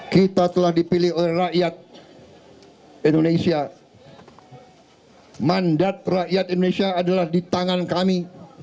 kita telah dipilih oleh rakyat indonesia mandat rakyat indonesia adalah di tangan kami